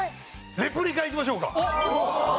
レプリカいきましょうか。